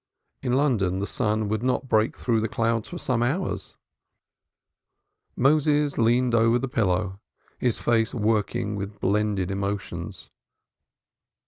In London the sun would not break through the clouds for some hours. Moses leaned over the pillow, his face working with blended emotions.